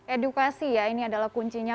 edukasi ya ini adalah kuncinya